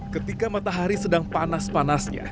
ketika matahari sedang panas panasnya